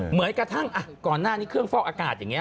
เหมือนกระทั่งก่อนหน้านี้เครื่องฟอกอากาศอย่างนี้